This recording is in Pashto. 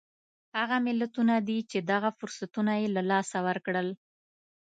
هغه ملتونه دي چې دغه فرصتونه یې له لاسه ورکړل.